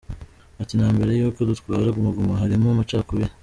Ati “Na mbere y’uko dutwara Guma Guma harimo amacakubiri.